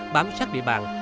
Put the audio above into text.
bám sát địa bàn